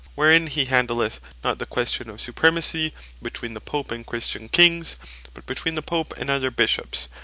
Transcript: Wherein he handleth not the Question of Supremacy between the Pope and Christian Kings, but between the Pope and other Bishops.